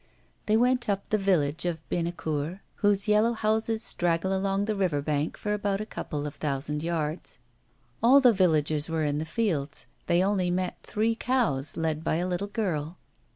They went up the village of Bennecourt, whose yellow houses straggle along the river bank for about a couple of thousand yards. All the villagers were in the fields; they only met three cows, led by a little girl.